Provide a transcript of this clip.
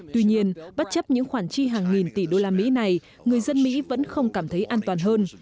tuy nhiên bất chấp những khoản chi hàng nghìn tỷ đô la mỹ này người dân mỹ vẫn không cảm thấy an toàn hơn